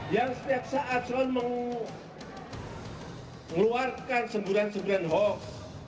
yang setiap saat selalu mengeluarkan semburan semburan hoax